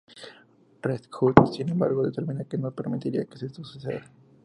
Red Hood, sin embargo, determina que no permitiría que eso suceda.